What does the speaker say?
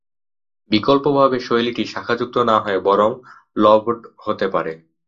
বিকল্পভাবে শৈলীটি শাখাযুক্ত না হয়ে বরং লবড হতে পারে।